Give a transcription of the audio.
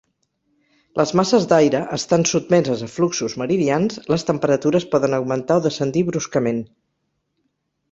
Les masses d'aire estant sotmeses a fluxos meridians, les temperatures poden augmentar o descendir bruscament.